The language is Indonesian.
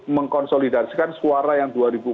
mengkonsolidasikan suara yang